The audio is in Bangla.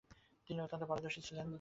তিনি অত্যন্ত পারদর্শী ছিলেন।